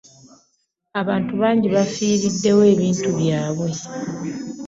Abantu bangi bafiiridde wa ebintu byaabwe.